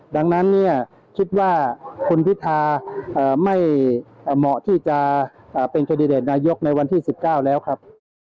ดังนั้นเนี่ยคิดว่าคุณพิธาไม่เหมาะที่จะเป็นแคนดิเดตนายกในวันที่๑๙แล้วครับ